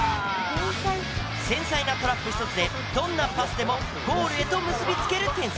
繊細なトラップ１つでどんなパスでもゴールへと結びつける天才。